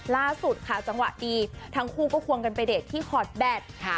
ล่าสุดค่ะจังหวะดีทั้งคู่ก็ควงกันไปเดทที่ขอดแบต